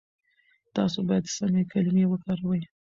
تاسو بايد سمې کلمې وکاروئ.